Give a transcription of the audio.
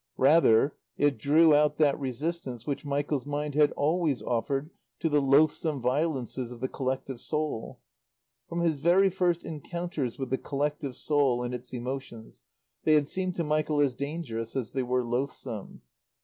Rather, it drew out that resistance which Michael's mind had always offered to the loathsome violences of the collective soul. From his very first encounters with the collective soul and its emotions they had seemed to Michael as dangerous as they were loathsome.